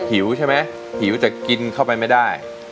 หิวใช่ไหมหิวแต่กินเข้าไปไม่ได้